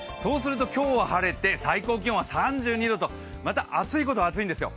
今日は晴れて最高気温は３２度と暑いことは暑いんですよ。